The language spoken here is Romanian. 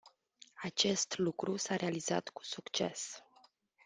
Acest lucru s-a realizat cu succes.